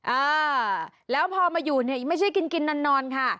อ่าแล้วพอมาอยู่ไม่ใช่กินนอนค่ะ